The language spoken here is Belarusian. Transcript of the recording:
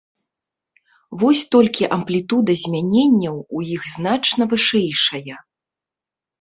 Вось толькі амплітуда змяненняў у іх значна вышэйшая.